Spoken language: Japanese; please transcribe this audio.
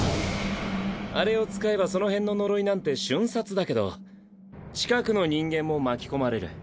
あれを使えばその辺の呪いなんて瞬殺だけど近くの人間も巻き込まれる。